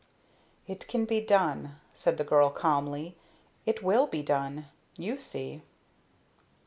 "It can be done," said the girl, calmly. "It will be done. You see."